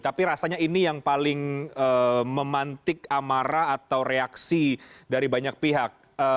tapi rasanya ini yang paling memantik amarah atau reaksi dari banyak pihak